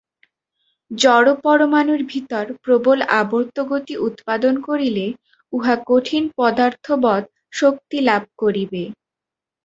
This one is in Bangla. জড়-পরমাণুর ভিতর প্রবল আবর্তগতি উৎপাদন করিলে উহা কঠিনপদার্থবৎ শক্তিলাভ করিবে।